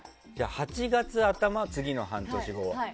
８月頭、次の半年後は。